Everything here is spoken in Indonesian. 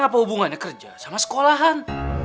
apa hubungannya kerja sama sekolahan